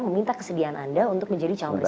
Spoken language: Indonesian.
meminta kesediaan anda untuk menjadi calon presiden